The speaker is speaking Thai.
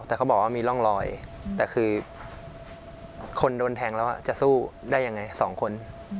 แต่เขาบอกว่ามีร่องรอยแต่คือคนโดนแทงแล้วจะสู้ได้ยังไงสองคน